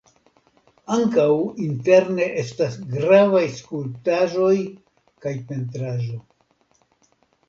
Ankaŭ interne estas gravaj skulptaĵoj kaj pentraĵo.